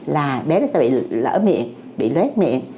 là bé nó sẽ bị lỡ miệng bị lét miệng